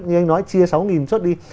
như anh nói chia sáu nghìn xuất đi